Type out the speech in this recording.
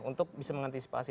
untuk bisa mengantisipasi